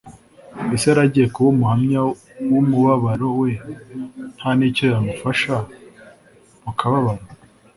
Ese yari agiye kuba umuhamya w'umubabaro we nta n'icyo yamufasha mu kababaro?